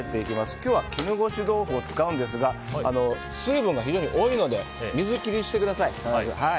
今日は絹ごし豆腐を使うんですが水分が非常に多いので水切りしてください。